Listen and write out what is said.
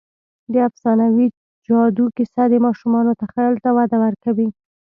د افسانوي جادو کیسه د ماشومانو تخیل ته وده ورکوي.